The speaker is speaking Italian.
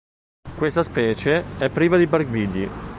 Questa specie è priva di barbigli.